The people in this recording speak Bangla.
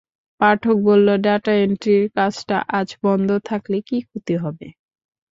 পাঠক বলল, ডাটা এন্ট্রির কাজটা আজ বন্ধ থাকলে কি ক্ষতি হবে?